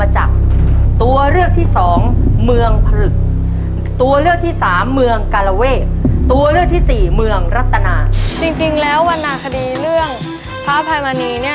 จริงแล้ววนาคดีเรื่องพระอภัยมณีเนี่ย